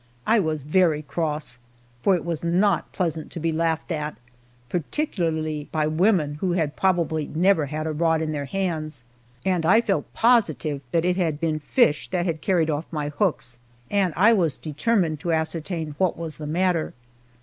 I was very cross, for it was not pleasant to be laughed at, particularly by women who had probably never had a rod in their hands. And I felt positive that it had been fish that had carried off my hooks, and I was determined to ascertain what was the matter.